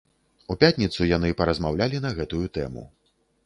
У пятніцу яны паразмаўлялі на гэтую тэму.